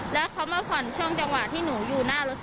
แล้วเขามาผ่อนช่วงจังหวะที่หนูอยู่หน้ารถ